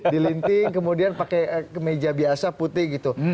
dilinting kemudian pakai kemeja biasa putih gitu